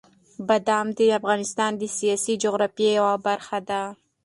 بادام د افغانستان د سیاسي جغرافیې یوه برخه ده.